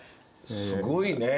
すごいね。